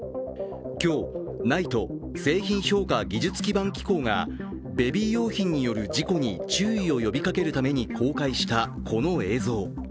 今日、ＮＩＴＥ＝製品評価技術基盤機構がベビー用品による事故に注意を呼びかけるために公開したこの映像。